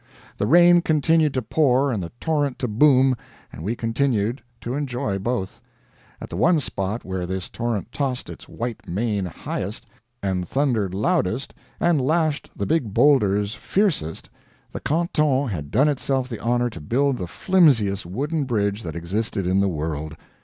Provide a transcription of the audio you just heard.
The rain continued to pour and the torrent to boom, and we continued to enjoy both. At the one spot where this torrent tossed its white mane highest, and thundered loudest, and lashed the big boulders fiercest, the canton had done itself the honor to build the flimsiest wooden bridge that exists in the world.